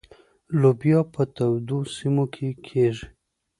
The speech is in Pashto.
لوبیا په تودو سیمو کې کیږي.